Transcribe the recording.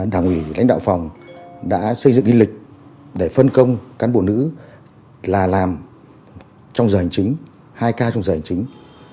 đảng ủy lãnh đạo phòng đã xây dựng ghi lịch để phân công cán bộ nữ là làm trong giờ hành chính